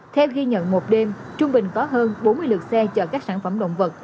theo ghi nhận một đêm trung bình có hơn bốn mươi lượt xe chở các sản phẩm động vật